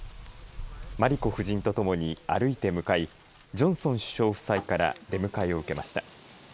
真理子夫人とともに歩いて向かいジョンソン首相夫妻から出迎えを受けました。